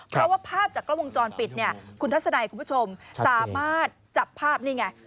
เพราะว่าภาพจากกล้องวงจรปิดเนี่ยคุณทัศนัยคุณผู้ชมสามารถจับภาพนี่ไง